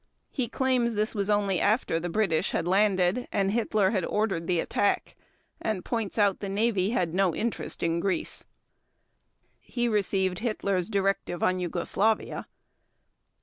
He claims this was only after the British had landed and Hitler had ordered the attack, and points out the Navy had no interest in Greece. He received Hitler's directive on Yugoslavia.